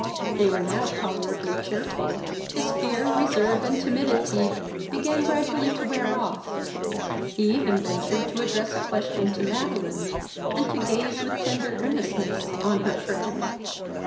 They were now tolerably cheerful. His fear, reserve, and timidity, began gradually to wear off. He even ventured to address a question to Madeline, and to gaze with tender earnestness on her friend.